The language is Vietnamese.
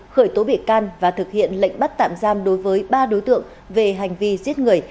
khởi tố bị can và thực hiện lệnh bắt tạm giam đối với ba đối tượng về hành vi giết người